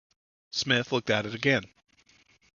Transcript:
Smith looked at it again.